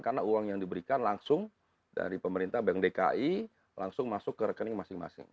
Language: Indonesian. karena uang yang diberikan langsung dari pemerintah bank dki langsung masuk ke rekening masing masing